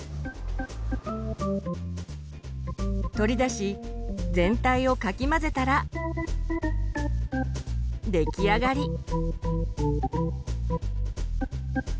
取り出し全体をかき混ぜたら出来上がり。